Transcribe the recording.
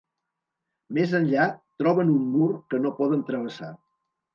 Més enllà troben un mur que no poden travessar.